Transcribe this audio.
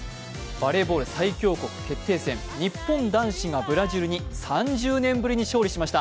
バレーボール最強国決定戦、日本男子がブラジルに３０年ぶりに勝利しました。